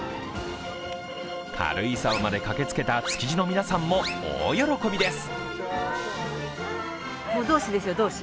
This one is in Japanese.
軽井沢まで駆けつけた築地の皆さんも大喜びです。